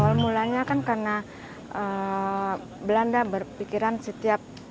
awal mulanya kan karena belanda berpikiran setiap